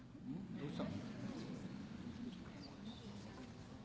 どうしたの？